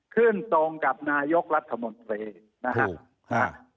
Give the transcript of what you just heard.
ขึ้นตรงกับนายกรัฐมนตรีนะครับ